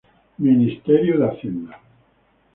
Ministerio de Hacienda.